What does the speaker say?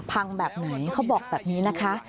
แบบไหนเขาบอกแบบนี้นะคะ